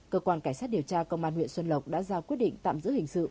cơ quan cảnh sát điều tra công an huyện xuân lộc đã ra quyết định tạm giữ hình sự